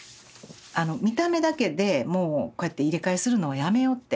見た目だけでもうこうやって入れ替えするのはやめようって。